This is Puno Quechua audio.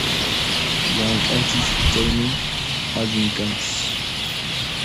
Llamk'anchis chaymi, allin kanchis